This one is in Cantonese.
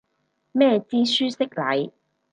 咩知書識禮